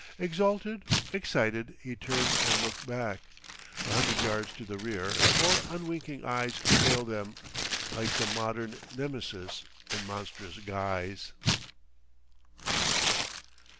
Exalted, excited, he turned and looked back. A hundred yards to the rear four unwinking eyes trailed them, like some modern Nemesis in monstrous guise.